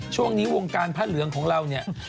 ช่วงนี้วงการพระเหลืองของเราเนี่ย